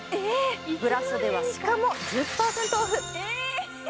ブラショでは、しかも１０％オフ！